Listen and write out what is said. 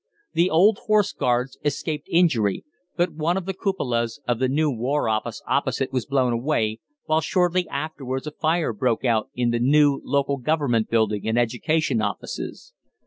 The old Horse Guards escaped injury, but one of the cupolas of the new War Office opposite was blown away, while shortly afterwards a fire broke out in the new Local Government Board and Education Offices.